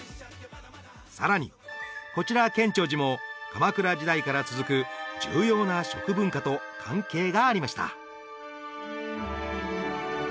さらにこちら建長寺も鎌倉時代から続く重要な食文化と関係がありました